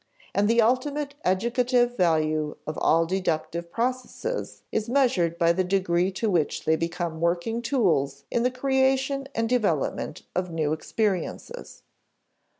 And the ultimate educative value of all deductive processes is measured by the degree to which they become working tools in the creation and development of new experiences.